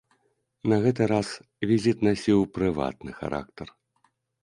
На гэты раз візіт насіў прыватны характар.